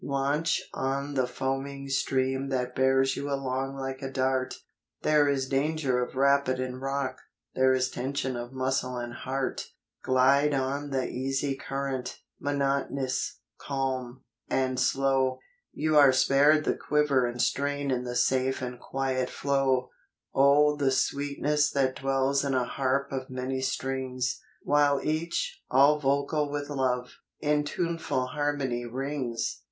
Launch on the foaming stream that bears you along like a dart — There is danger of rapid and rock, there is tension of muscle and heart; Glide on the easy current, monotonous, calm, and slow, You are spared the quiver and strain in the safe and quiet flow. 214 FROM QUEENS' GARDENS. O the sweetness that dwells in a harp of many strings, While each, all vocal with love, in tuneful harmony rings!